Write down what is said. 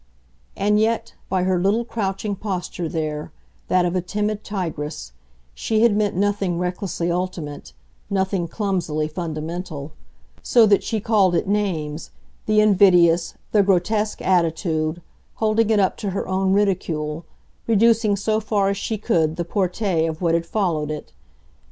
And yet, by her little crouching posture there, that of a timid tigress, she had meant nothing recklessly ultimate, nothing clumsily fundamental; so that she called it names, the invidious, the grotesque attitude, holding it up to her own ridicule, reducing so far as she could the portee of what had followed it.